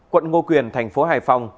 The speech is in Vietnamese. quận ngô quyền thành phố hải phòng